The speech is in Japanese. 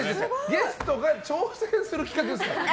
ゲストが挑戦する企画ですから。